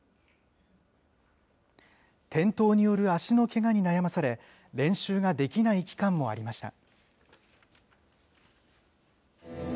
転倒による足のけがに悩まされ、練習ができない期間もありました。